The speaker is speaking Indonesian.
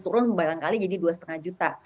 turun barangkali jadi dua lima juta